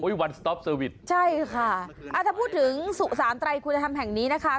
วันสต๊อปเซอร์วิสใช่ค่ะอ่าถ้าพูดถึงสุสานไตรคุณธรรมแห่งนี้นะคะ